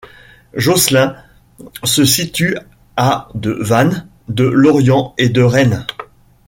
Josselin se situe à de Vannes, de Lorient et de Rennes.